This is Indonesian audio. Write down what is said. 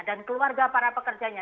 dan keluarga para pekerjanya